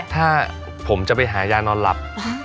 ถ้าผมจะไปหายานอนหลับ